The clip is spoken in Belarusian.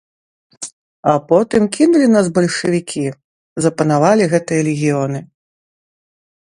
А потым кінулі нас бальшавікі, запанавалі гэтыя легіёны.